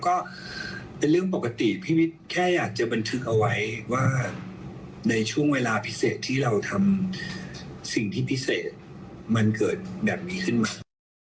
ก็เป็นเรื่องปกติพี่วิทย์แค่อยากจะบันทึกเอาไว้ว่าในช่วงเวลาพิเศษที่เราทำสิ่งที่พิเศษมันเกิดแบบนี้ขึ้นมา